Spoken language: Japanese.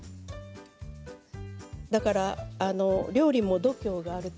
だから料理も度胸があると。